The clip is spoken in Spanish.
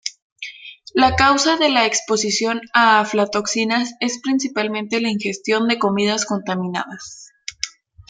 La causa de la exposición a aflatoxinas es principalmente la ingestión de comidas contaminadas.